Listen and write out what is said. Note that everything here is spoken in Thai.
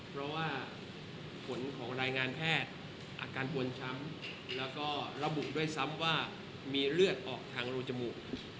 เพราะว่าผลของรายงานแพทย์อาการปวนช้ำแล้วก็ระบุด้วยซ้ำว่ามีเลือดออกทางรูจมูก